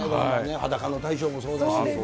裸の大将もそうだし。